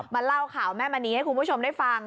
เล่าข่าวแม่มณีให้คุณผู้ชมได้ฟัง